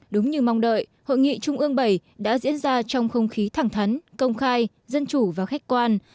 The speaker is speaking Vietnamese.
đúng như mong đợi hội nghị trung ương bảy đã diễn ra trong không khí thẳng thắn công khai dân chủ và khách quan